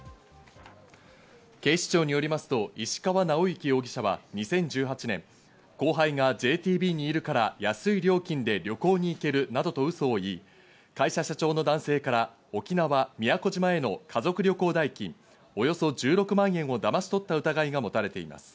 警視庁によりますと、石川直之容疑者は２０１８年、後輩がＪＴＢにいるから安い料金で旅行に行けるなどとうそを言い、会社社長の男性から沖縄・宮古島への家族旅行代金およそ１６万円をだまし取った疑いがもたれています。